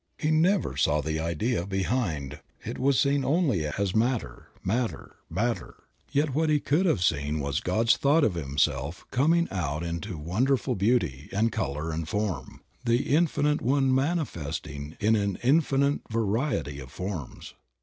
He never saw the idea behind — it was seen only as matter, matter, matter; yet what he could have seen was God's thought of himself coming out into wonderful beauty, and color, and form; The Infinite One manifesting in an infinite variety of forms.